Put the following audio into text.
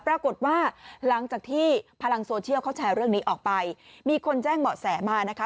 ปรากฏว่าหลังจากที่พลังโซเชียลเขาแชร์เรื่องนี้ออกไปมีคนแจ้งเบาะแสมานะคะ